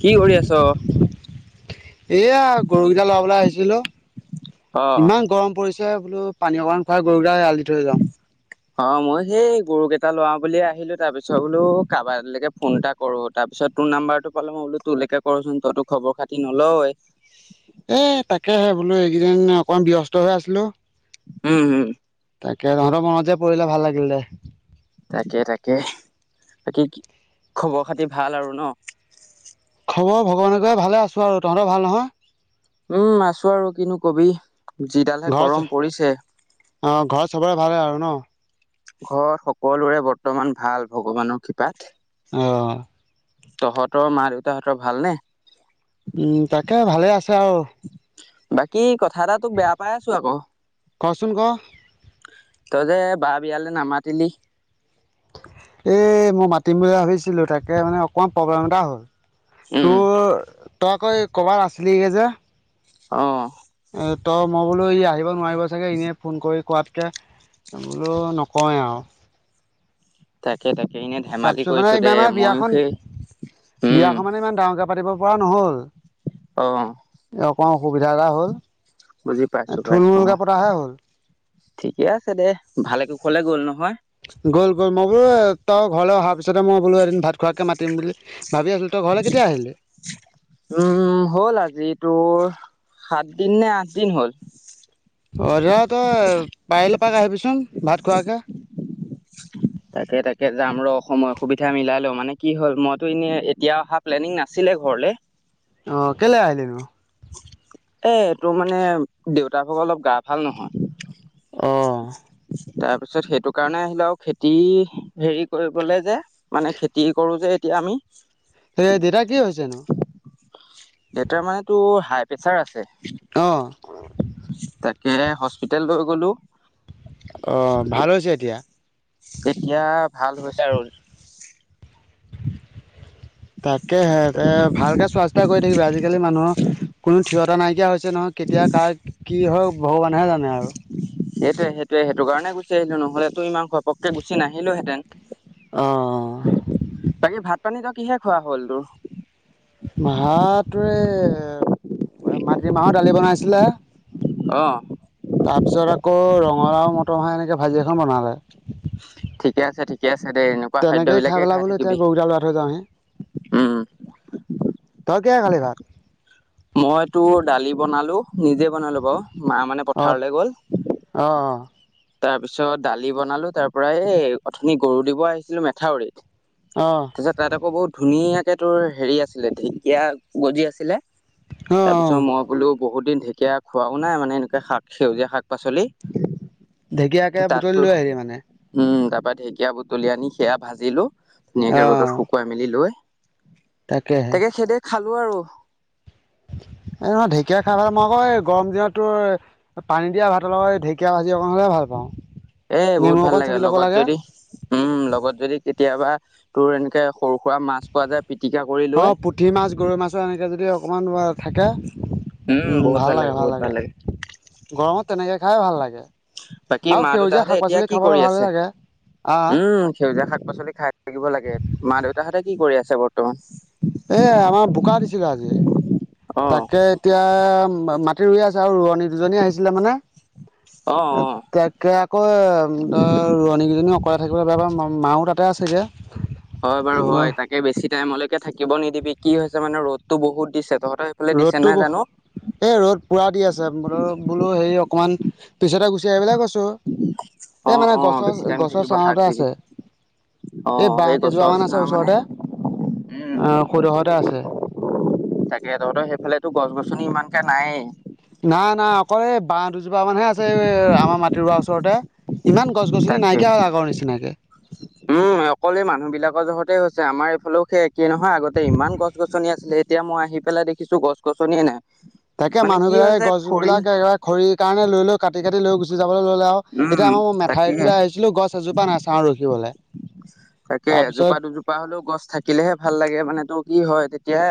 কি কৰি আছ? এয়া গৰুকেইটা লৰাবলৈ আহিছিলো অ ইমান গৰম পৰিছে। বলো পানী অকান খাই গৰু গুইল দি থৈ যাওঁ। অ' মই সেই গৰু কেইটা লৰা বুলিয় আহিলো তাৰ পিছত বোলো কাৰোবালৈকে ফোন এটা কৰো তাৰপিছত তোৰ নাম্বাৰটো পালে মই বোলো তোলৈকে কৰচোন তইতো খবৰ খাতি নলয়। এ তাকেহে বোলো এইকেইদিন অকমান ব্যস্ত হৈ আছিলো। উম, হুম, তাকে তহঁতৰ মনত যে পৰিলে ভাল লাগিলে দে। তাকে, তাকে বাকী খবৰ খাতি ভাল আৰু ন? খবৰ ভগৱানেকে ভালে আছোঁ আৰু তহঁতৰ ভাল নহয়। উম, আছো আৰু কিনো কবি যিডালহে ঘৰত গৰম পৰিছে। অ' ঘৰত চবৰে ভালে আৰু ন? ঘৰত সকলোৰে বৰ্তমান ভাল ভগৱানৰ কৃপাত। অ', তহঁতৰ মা দেউতাহঁতৰ ভাল নে? উম, তাকে ভালে আছে আৰু। বাকী কথা এটা তোক বেয়া পাই আছো আকৌ। ক চোন ক? তই যে বা বিয়ালৈ নামাতিলি? এই মই মাতিম বুলি ভাবিছিলো তাকে মানে অকমান প্ৰব্লেম এটা হ'ল। উম তোৰ তই আকৌ ক'বাত আছিলি গে যে। অ', এ ত মই বোলো ই আহিব নোৱাৰিব চাগে এনেই ফোন কৰি কোৱাত কে বোলো নকওঁৱেই আৰু। তাকে, তাকে এনেই থাকে। তাৰপিছত মানে ইমানে বিয়াখন, উম বিয়াখন মানে ইমান ডাঙৰকে পাতিব পৰা নহল। অ', এই অকণমান অসুবিধা এটা হ'ল বুজি পাইছো পাইছো অ থুলমূলকৈ পতাহে হ'ল। ঠিকে আছে দে ভালে কুশলে গ'ল নহয়? গ'ল, গ'ল মই বোলো তই ঘৰলৈ অহাৰ পিছতে মই বোলো এদিন ভাত খোৱাকে মাতিম বুলি ভাবি আছো। তই ঘৰলৈ কেতিয়া আহিলি? উম, হ'ল আজি তোৰ সাত দিন নে, আঠ দিন হ'ল। অ' তেতিয়া হ'লে পাৰিলে এপাক আহিবিচোন ভাত খোৱাকৈ। তাকে, তাকে যাম ৰ' সময় সুবিধা মিলাই লওঁ, মানে কি হ'ল মইতো এনে এতিয়া অহা প্লেনিং নাছিলে ঘৰলৈ। অ'কেলে আহিলেনো? এ তোৰ মানে দেউতা ভাগৰ অলপ গা ভাল নহয়। অ', তাৰ পিছত সেইটো কাৰণে, আহিলো আৰু খেতি হেৰি কৰিবলৈ যে। মানে খেতি কৰো যে এতিয়া আমি। সেই দেউতাৰ কি হৈছেনো? দেউতাৰ মানে টোৰ হাই প্ৰেচাৰ আছে। অ তাকে হস্পিতেল লৈ গলোঁ। অঁ ভাল হৈছে এতিয়া? এতিয়া ভাল হৈছে আৰু। তাকেহে দে ভালকে চোৱা-চিতা কৰি থাকিবি আজিকালি মানুহৰ কোনো থিয়তা নাইকিয়া হৈছে নহয়, কেতিয়া কাৰ কি হয় ভগৱানেহে জানে আৰু। সেইটোৱে সেইটোৱে সেইটো কাৰণে গুচি আহিলো, নহলেতো ইমান ঘপকে গুচি নাহিলো হেঁতেন। বাকী ভাত পানী তই কিহে খোৱা হ'ল তোৰ? ভাত তোৰ এ মাটি মাহৰ দালি বনাইছিলে। অঁ। তাৰপিছত আকৌ ৰঙালাও মটৰ মাহ এনেকে ভাজি এখন বনালে। ঠিকে আছে ঠিক আছে দে এনো তেনেকেই খায় পেলাই বোলো এতিয়া গৰু কেইটা লৰাই থৈ যাওঁহি। উম তই কিহে খালি ভাত? মই তোৰ দালি বনালো, নিজে বনালো বাৰু, মা মানে অ পথাৰলে গ'ল। অ' অঁ। তাৰপিছত দালি বনালো, তাৰপৰা এই অথনি গৰু দিব আহিছিলো মেথাউৰিত। অঁ'। তাৰপিছত তাত আকৌ বহুত ধুনীয়াকে তোৰ হেৰি আছিলে, ঢেঁকীয়া গজি আছিলে। অ অ তাৰপিছত মই বোলো বহুত দিন ঢেকীয়া খোৱাও নাই, মানে এনেকুৱা শাক সেউজীয়া শাক-পাচলি। ঢেকীয়াকে বুটলি লৈ আহিলি মানে? উম, তাৰপৰা ঢেকীয়া বুটলি আনি সেয়া ভাজিলো অ ধুনীয়াকে ৰ'দত শু কুৱাই মেলি লৈ, তাকেহে। তাকে হে দিয়ে খালো আৰু। এই নহয় ঢেকীয়া খায় পেলাই মই আকৌ এই গৰম দিনত তোৰ পানী দিয়া ভাতৰ লগত ঢেকীয়া ভাজি অকণ হ'লে ভাল পাওঁ। এই বহুত নেমু ভাল অকণ লাগে, চেপি ল'ব লগত যদি উম, লগত যদি কেতিয়াবা তোৰ এনেকে সৰু-সুৰা মাছ পোৱা যায় পিটিকা কৰি লৈ অঁ, পুঠি মাছ গৰৈ মাছৰ এনেকে যদি অকমান থাকে। উম, ভাল লাগে ভাল লাগে, গৰমত তেনেকে খায় ভাল লাগে। বাকী আৰু মা দেইউতা সেউজীয়া হঁতে শাক এতিয়া পাচলি কি খাবলৈ কৰি ভালে আছে? লাগে আহ উম। সেউজীয়া শাক-পাচলি খায় থাকিব লাগে, মা দেউতাহঁতে কি কৰি আছে বৰ্তমান? এ আমাৰ বোকা দিছিলে আজি। অ তাকে এতিয়া মাটি ৰুই আছে, আৰু ৰোৱনী দুজনী আহিছিলে মানে। অ অ তাকে আকৌ ধৰ ৰোৱনী কেইজনীও অকলে থাকিবলে বেয়া পাই মাও তাতে আছেগে। হয়, বাৰু হয়, তাকে বেছি টাইমলেকে থাকিব নিদিবি, কি হৈছে মানে ৰ'দটো বহুত দিছে, তহঁতৰ সেইফালে দিছে ৰ'দতো নাই ব জানো এই ৰ'দ পোৰা দি আছে, বুলো বুলো হেৰি অকমান পিছতে গুচি আহিবলে কৈছোঁ। অ এ মানে অ বেছি গছৰ- টাইম গছৰ থাকিব শাক চাঁহতে দিবি আছে। অ এ সেই বাঁহ কেইজোপ গছৰ মান আছে ছাঁ মানে ওচৰতে, উম আহ সেইদখতে আছে। তাকে তহঁতৰ সেইফালেতো গছ-গছনি ইমানকে নায়েই। নাই নাই অকল এই বাঁহ দুজোপা মানহে আছে, আমাৰ মাটি ৰুৱাৰ ওচৰতে। ইমান গছ-গছনি তাকে। নাইকিয়া হল আগৰ নিচিনাকে। উম অকল এই মানুহ বিলাকৰ জহতেই হৈছে, আমাৰ এইফালও সেই একেই নহয় আগতে ইমান গছ গছনি আছিলে, এতিয়া মই আহি পেলাই দেখি খিছোঁ গছ-গছনিয়ে নাই। তাকে মানে কি মানুহবিলাকে হৈছে খৰি গছবিলাক একেবাৰে খৰিৰ কাৰণে লৈ লৈ কাটি কাটি লৈ গুচি যাবলৈ ললে আৰু। উম এতিয়া মোৰ তাকে মেঠাইৰিটোলৈ আহিছিলোঁ, গছ এজোপা নাই চাহ ৰখিবলৈ। তাকে তাৰপিছত এজোপা, দুজোপা হলেওঁ গছ থাকিলেহে ভাল লাগে মানে ত' কি হয় তেতিয়া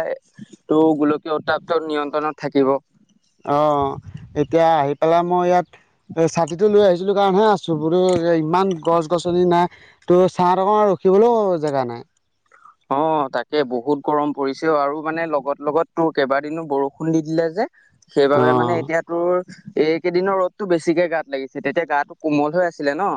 তো গোলকীয় উত্তাপতো নিয়ন্ত্ৰণত থাকিব। অ', এতিয়া আহি পেলাই মই ইয়াত এ' ছাতিটো লৈ আহিছিলো কাৰনে হে আছোঁ, বুলো ইমান গছ-গছনি নাই। ত' চাত অকমান ৰখিবলৈও জেগা নাই। অ' তাকে বহুত গৰম পৰিছে অ' আৰু মানে লগত লগত তোৰ কেইবাদিনো বৰষুণ দি দিলে যে। সেইবাবে মানে অঁ এতিয়া তোৰ এইকেইদিনৰ ৰ'দটো বেছিকে গাত লাগিছে, তেতিয়া গাটো কোমল হৈ আছিলে ন'।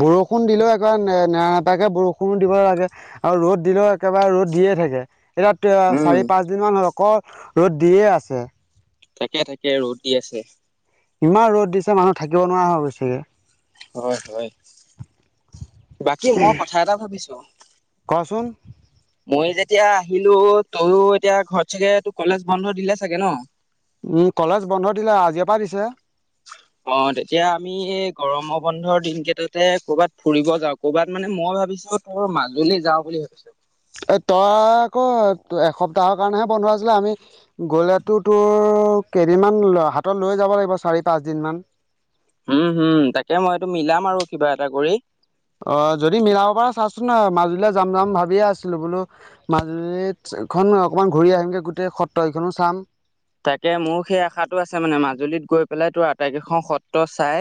বৰষুণ দিলেও একেবাৰে নে- নেৰা নেপাকে বৰষুণো দিব লাগে। আৰু ৰ'দ দিলেও, একেবাৰে ৰ'দ দিয়ে থাকে। এয়াত এ' উম চাৰি পাঁচদিনমান হ'ল, অকল ৰ'দ দিয়ে আছে। থাকে থাকে ৰ'দ দি আছে। ইমান ৰ'দ দিছে, মানুহ থাকিব নোৱাৰা হয় গৈছে। হয়', হয়', বাকী মই কথা এটা ভাবিছো কচোন মই যেতিয়া আহিলো, তয়ও এতিয়া ঘৰত চাগে তোৰ' কলেজ বন্ধ দিলে চাগে ন'? উম', কলেজ বন্ধ দিলে আজিৰ পৰা দিছে। অ', তেতিয়া আমি এই গৰম বন্ধৰ দিন কেইটাতে কৰবাত ফুৰিব যাওঁ। কৰবাত মানে মই ভাবিছো, তোৰ মাজুলী যাওঁ বুলি ভাবিছো। এই তই আকৌ এসপ্তাহৰ কাৰণেহে বন্ধ আছিলে আমি গ'লেতো তোৰ, কেইদিনমান হাতত লৈ যাব লাগিব চাৰি, পাঁচ দিন মান। উম', হুম তাকে মই এইটো মিলাম আৰু কিবা এটা কৰি। অ', যদি মিলাব পৰা চাচোন ন' মাজুলী যাম যাম ভাবিয়ে আছিলো বুলো মাজুলীত এখনই অকমান ঘূৰি আহিমগে, গোটেই সত্ৰ কেইখনো চাম। তাকে মোৰ সেই আশাটো আছে মানে মাজুলীত গৈ পেলাই তোৰ আটাইকেইখন সত্ৰ চাই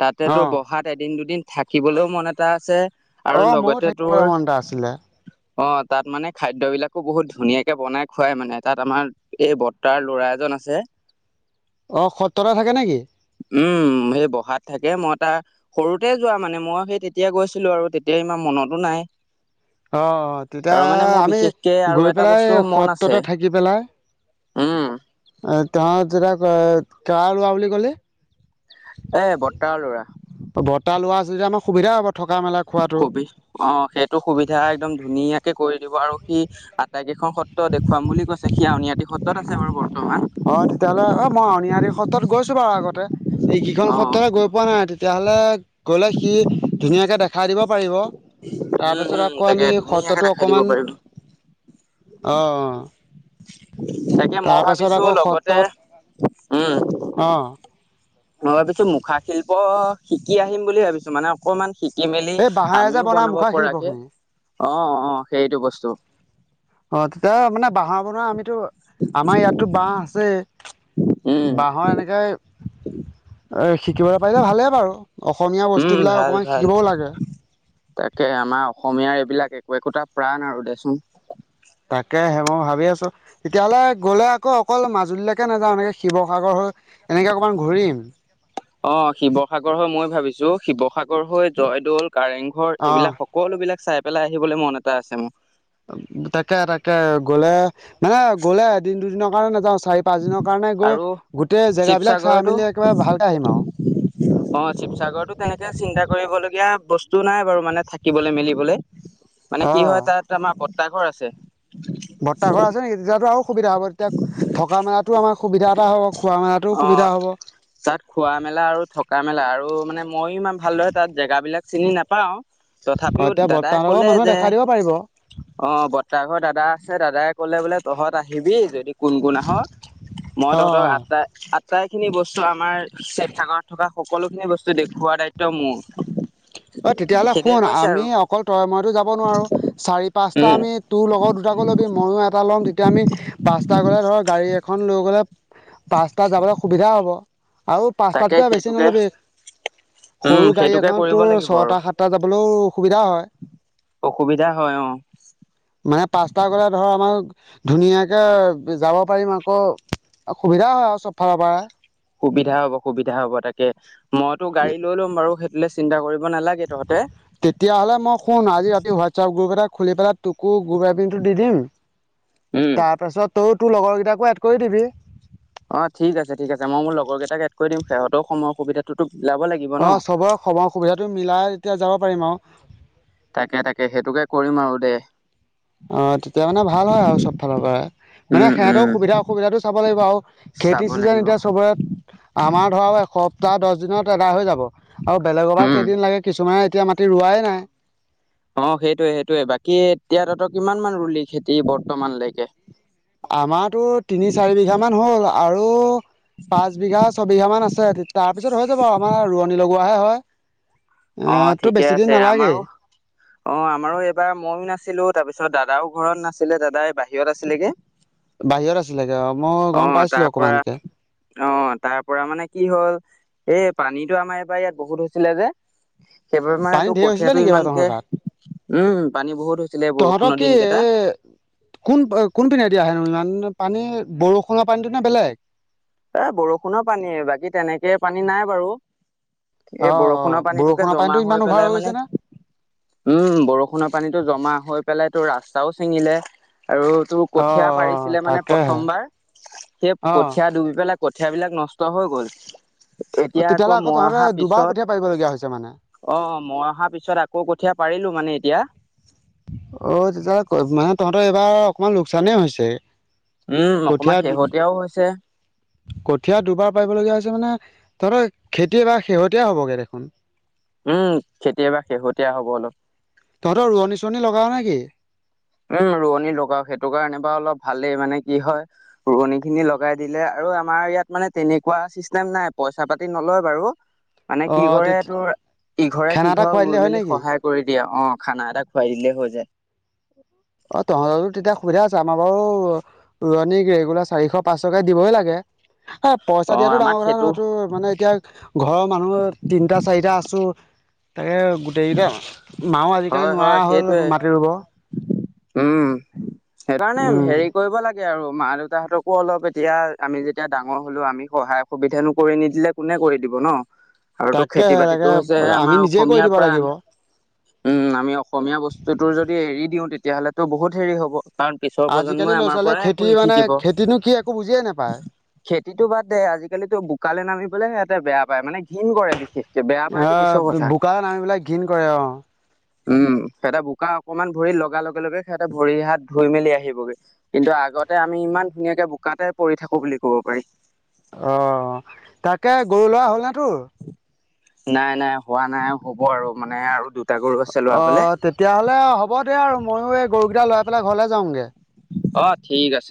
তাতে অ তোৰ বহাত এদিন দুদিন থাকিবলৈও মন এটা আছে। আৰু অ ময়ো লগতে তোৰ থাকিবলৈ মন এটা আছিলে অ', তাত মানে খাদ্যবিলাকো বহুত ধুনীয়াকে বনাই খুৱাই মানে তাত আমাৰ এই ব তাৰ ল'ৰা এজন আছে অ', সত্ৰতে থাকে নেকি? উম', সেই বসাত থাকে মই তা সৰুতে যোৱা মানে মই সেই তেতিয়া গৈছিলো আৰু তেতিয়া ইমান মনতো নাই। অ', তেতিয়া আৰু মানে মোৰ আমি বিশেষকে আৰু গৈ এটা পেলাই বস্তু মন আছে সত্ৰতে থাকি পেলাই উম আ তহত যেতিয়া কাৰ কাৰ লৰা বুলি কলি? এ' বৰ্তাৰ লৰা। অ বৰ্তা ল'ৰা আছে যদি আমাৰ সুবিধা হ'ব। থকা মেলা খোৱাটো সুবি অ' সেইটো সুবিধা একদম ধুনীয়াকে কৰি দিব আৰু সি আটাইকেইখন সত্ৰ দেখুৱাম বুলি কৈছে। সি আউনীআটি সত্ৰত আছে বাৰু বৰ্তমান। অ তেতিয়া হ'লে অ মই আউনীআটি সত্ৰত গৈছো বাৰু আগতে, ই কেইখন অ সত্ৰহে গৈ পোৱা নাই তেতিয়াহ'লে গ'লে সি ধুনীয়াকে দেখাই দিব পাৰিব। তাৰ উম পাছত উম আকৌ তাকে আমি ধুনীয়াকে সত্ৰতো দেখাই দিব অকমান, পাৰিব অ তাকে মই তাৰপাছত ভাবিছো আকৌ লগতে সত্ৰত, উম অ মই ভাবিছো মুখা শিল্প শিকি আহিম বুলি ভাবিছো মানে অকমান শিকি মেলি এই বাঁহেৰে যে আমিও বনাই বনাব মুখা পৰাকে শিল্পখিনি অ' অ'সেইটো বস্তু। অ' তেতিয়া মানে বাঁহৰ বনোৱা আমিতো আমাৰ ইয়াততো বাঁহ আছেই। উম বাঁহৰ এনেকেই এই শিকিব পাৰিলে ভালেই বাৰু অসমীয়া উম বস্তুবিলাক ভাল অকণমান ভাল শিকিবও লাগে। তাকে আমাৰ অসমীয়াৰ এইবিলাক একো-একোটা প্ৰাণ আৰু দেচোন। তাকেহে মই ভাবি আছো। তেতিয়াহলে গ'লে অক-অকল মাজুলীলৈকে নাযাওঁ এনেকে শিৱসাগৰ হৈ এনেকে অকণমান ঘূৰিম। অ' শিৱসাগৰ হৈ মই ভাবিছো শিৱসাগৰ হৈ জয়দৌল কাৰেংঘৰ অ এইবিলাক সকলো বিলাক চাই পেলাই আহিবলৈ মন এটা আছে মোৰ। তাকে, তাকে গ'লে মানে গ'লে এদিন, দুদিনৰ কাৰণে নাযাওঁ চাৰি পাচদিনৰ কাৰণে গৈ আৰু গোটেই জেগাবিলাক চাই শিৱসাগৰতো মেলি একেবাৰে ভালকে আহিম আৰু। অ' চিৱচাগৰতো তেনেকে চিন্তা কৰিবলগীয়া বস্তু নাই বাৰু মানে থাকিবলে মেলিবলে মানে অ কি হয় তাত আমাৰ বৰ্তাৰ ঘৰ আছে। বৰ্তা ঘৰ আছে নেকি তেতিয়াতো আৰু সুবিধা হ'ব, তেতিয়া থকা মেলাতো আমাৰ সুবিধা এটা হ'ব। খোৱা মেলাতো সুবিধা অ', হ'ব তাত খোৱা-মেলা আৰু থকা-মেলা আৰু মানে ময়ো ইমান ভালদৰে তাত জেগাাবলাক চিনি নেপাও অ তথাপিও এতিয়া দাদাই বৰ্তাহতৰ ঘৰৰ ক'লে মানুহে যে দেখাই দিব পাৰিব অ' বৰ্তা ঘৰৰ দাদা আছে দাদাই ক'লে বোলে তহঁত আহিবি যদি কোন, কোন আহ মই অ তহঁতৰ অ আটাই আটাইখিনি বস্তু আমাৰ চিৱচাগৰত থকা সকলোখিনি বস্তু দেখুওৱা দায়িত্ব মোৰ। অ'তেতিয়াহ'লে সেইদৰে শুন, কৈছে আমি আৰু অকল তয়ে-ময়ে টো যাব নোৱাৰো চাৰি, পাঁচটা উম আমি তোৰ লগৰ দুটাকো লবি, ময়ো এটা ল'ম তেতিয়া আমি পাঁচটা গ'লে ধৰ গাড়ী এখন লৈ গ'লে পাঁচ টা যাবলৈ সুবিধা হ'ব আৰু তাকে পাঁচটাতকে বেছি সেইটোকে নল'বি। সৰু উম, গাড়ী সেইটোকে এখনত কৰিব তোৰ লাগিব ছটা আৰু। সাতটা যাবলৈও অসুবিধা হয়। অসুবিধা হয় অ। মানে পাঁচটা গ'লে ধৰ আ [unintelligible] ধুনীয়াকে যাব পাৰিম আকৌ অ' সুবিধা হয় আৰু চব ফালৰ পৰায়ে। সুবিধা হ'ব, সুবিধা হ'ব তাকে মইতো গাড়ী লৈ ল'ম বাৰু সেই টোলে চিন্তা কৰিব নালাগে তহঁতে। তেতিয়া হ'লে মই শুন আজি ৰাতি হোৱাটছআপ গ্ৰুপ এটা খুলি পেলাই তোকো গ্ৰুপ এডমিন টো দি দিম উম তাৰ পাছত তয়ো তোৰ লগৰ কেইটাকো এড কৰি দিবি। অ'ঠিক আছে, ঠিক আছে ময়ো মোৰ লগৰকেইটাক এড কৰি দিম। সিহঁতেও সময়ৰ সুবিধাটোতো মিলাব লাগি অ'চবৰে সময় সুবিধাটো মিলাই তেতিয়া যাব পাৰিম আৰু। তাকে, তাকে সেইটোকে কৰিম আৰু দে। অ'তেতিয়া মানে ভাল হয় আৰু চব ফালৰ পৰা। মানে উম সেহেতেও উম সুবিধা অসুবিধাটো চাব লাগিব আৰু খেতি চাব চিজন লাগিব এতিয়া চবৰে আমাৰ ধৰা আৰু এসপ্তাহ দছ দিনত আদায় হৈ যাব আৰু বেলেগৰ বা উম কেইদিন লাগে। কিছুমানে এতিয়া মাটি ৰোৱাই নাই। অ'সেইটোৱে, সেইটোৱে বাকী এতিয়া তহতৰ কিমান মান ৰুলি খেতি বৰ্তমানলৈকে? আমাৰ টোৰ তিনি, চাৰি বিঘা মান হ'ল আৰু পাঁচ বিঘা-ছবিঘা মান আছে তে তাৰ পিছত হৈ যাব আৰু আমাৰ ৰোৱনী লগোৱাহে হয়। অ এ, তোৰ ঠিকে বেছি আছে দিন নালাগেই। আমাৰো অ' আমাৰো এইবাৰ ময়ো নাছিলোঁ তাৰপিছত দাদাও ঘৰত নাছিলে দাদাই বাহিৰত আছিলেগে। বাহিৰত আছিলেগে অ'‌ মই অ গম তাৰ পাইছিলোঁ পৰা অকমানকে। অ', তাৰ পৰা মানে কি হ'ল এ পানীটো আমাৰ এবাৰ ইয়াত বহুত হৈছিলে যে, সেইবাবে মানে পানী তোৰ ঢেৰ হৈছিলে কঠীয়াটো নেকি এইবাৰ তহঁতৰ ইমানকে তাত উম, পানী বহুত হৈছিলে বৰষুণৰ দিন কেইটা। এ, কোন অ- কোন পিনেদি আহে নো ইমান পানী, বৰষুণৰ পানীটো নে বেলেগ? এ, বৰষুণৰ পানীয়ে, বাকী তেনেকে পানী নাই বাৰু। এ অ অ বৰষুণৰ পানীটোকে বৰষুণৰ জমা পানীটো ইমান হৈ অভাৰ পেলাই গৈছে মানে নে? উম, বৰষুণৰ পানীটো জমা হৈ পেলাই তোৰ ৰাস্তাও চিঙিলে আৰু তোৰ অ কঠীয়া অ পাৰিছিলে মানে তাকেহে প্ৰথমবাৰ, সেই অ কঠীয়া ডুবি পেলাই কঠীয়াবিলাক নষ্ট হৈ গ'ল। এতিয়া আকৌ তেতিয়াহ'লে মই তহঁতে অহা দুবাৰ পিছত কঠীয়া পাৰিবলগীয়া হৈছে মানে? অ', অ', মই অহা পিছত আকৌ কঠীয়া পাৰিলোঁ মানে এতিয়া। অ', তেতিয়া ক- মানে তহঁতৰ এইবাৰ অকমান লোকচানে হৈছে। উম, অকমান কঠীয়া শেহতীয়াও হৈছে। কঠীয়া দুবাৰ পাৰিবলগীয়া হৈছে মানে, তহঁতৰ খেতি এইবাৰ শেহতীয়া হ'বগে দেখোন। উম, খেতি এইবাৰ শেহতীয়া হ'ব অলপ। তহঁতৰ ৰোৱনী-চোৱনী লগাৱ না কি? উম, ৰোৱনী লগাও। সেইটো কাৰণে বা অলপ ভালেই, মানে কি হয় ৰোৱনীখিনি লগাই দিলে, আৰু আমাৰ ইয়াত মানে তেনেকুৱা চিষ্টেম নাই, পইচা-পাতি নলয় বাৰু। মানে অ কি কৰে তোৰ, ইঘৰে খানা এটা খুৱাই সিঘৰক দিলে ৰুই হয় মেলি নেকি? সহায় কৰি দিয়ে। অ', খানা এটা খুৱাই দিলে হৈ যায়। অ', তহঁতৰটো তেতিয়া সুবিধা আছে। আমাৰ বাৰু ৰোৱনীক ৰেগুলাৰ চাৰিশ-পাঁচশকে দিবই লাগে। এ অ পইচা দিয়াটো আমাক ডাঙৰ কথা সেইটো নহয়, তোৰ মানে এতিয়া ঘৰৰ মানুহ তিনিটা-চাৰিটা আছোঁ, তাকে গোটেইকেইটা, মাও আজিকালি হয় নোৱাৰা হয় সেইটোৱে হ'ল মাটি ৰুব। উম, সেইকাৰণে উম হেৰি কৰিব লা গে আৰু, মা-দেউতাহঁতকো অলপ এতিয়া আমি যেতিয়া ডাঙৰ হ'লো, আমি সহায় সুবিধানো কৰি নিদিলে কোনে কৰি দিব, ন'? আৰু তো তাকেহে খেতি-বাতিটো তাকে হৈছে আমি আমাৰ নিজে কৰি অসমীয়াৰ দিব প্ৰাণ লাগিব উম, আমি অসমীয়া বস্তুটোৰ যদি এৰি দিওঁ, তেতিয়াহ'লেতো বহুত হেৰি হ'ব। কাৰণ পিছৰ আজিকালি প্ৰজন্মই ল'ৰা আমাৰ ছোৱালীয়ে পৰাই একো খেতি মানে নিশিকিব। খেতিনো কি একো বুজিয়ে নাপায় খেতিটো বাদ দে, আজিকালিতো বোকালে নামিবলে সিহঁতে বেয়া পায়, মানে ঘিণ কৰে বিশেষ অ', বোকা নামিবলে ঘিণ কৰে অ'। উম, সিহঁতে বোকা অকমান ভৰিত লগা লগে লগে সিহঁতে ভৰি-হাত ধুই মেলি আহিবগে। কিন্তু আগতে আমি ইমান ধুনীয়াকে বোকাতে পৰি থাকোঁ বুলি ক'ব পাৰি। অ', তাকে গৰু ল'ৰা হ'ল নে তোৰ? নাই, নাই, হোৱা নাই, হ'ব আৰু মানে আৰু দুটা গৰু আছে অ লৰাবলে। তেতিয়াহ'লে হ'ব দে আৰু, ময়ো এই গৰুকেইটা লৰাই পেলাই ঘৰলে যাওঁগে। অ', ঠিক আছে।